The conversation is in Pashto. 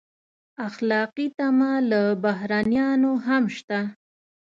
اخلاقي تمه له بهرنیانو هم شته.